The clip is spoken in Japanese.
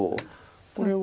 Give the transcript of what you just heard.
これを。